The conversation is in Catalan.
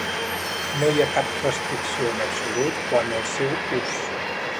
No hi ha cap restricció en absolut quant al seu ús.